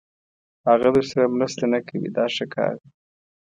هغه درسره مرسته نه کوي دا ښه کار دی.